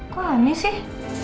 kok aneh sih